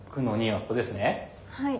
はい。